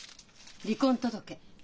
離婚届。